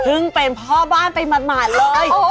ซึ่งเป็นพ่อบ้านไปหมาดเลย